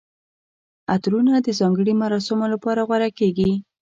عطرونه د ځانګړي مراسمو لپاره غوره کیږي.